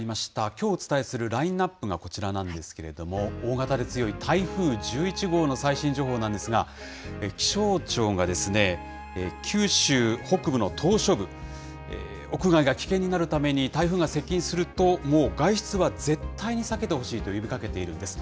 きょうお伝えするラインナップがこちらなんですけれども、大型で強い台風１１号の最新情報なんですが、気象庁が九州北部の島しょ部、屋外が危険になるために、台風が接近すると、もう外出は絶対に避けてほしいと呼びかけているんです。